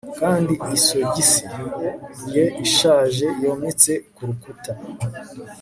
Kandi isogisi ye ishaje yometse ku rukuta